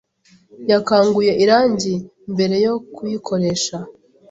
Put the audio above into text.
Yakanguye irangi mbere yo kuyikoresha.